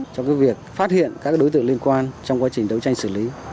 trong việc phát hiện các đối tượng liên quan trong quá trình đấu tranh xử lý